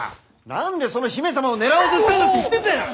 何でその姫様を狙おうとしたんだって言ってんだよ！